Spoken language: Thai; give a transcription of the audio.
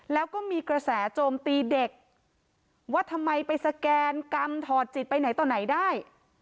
แล้วก็มีกระแสโจมตีเด็กว่าทำไมไปสแกนกรรมถอดจิตไปไหนต่อไหนได้